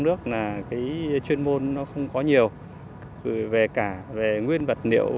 được các giáo sư trong trường tổng hợp cũng như là viện khẩu cổ